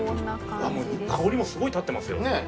あっもう香りもすごい立ってますよ。ねぇ。